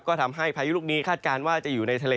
ก็ทำให้พายุลูกนี้คาดการณ์ว่าจะอยู่ในทะเล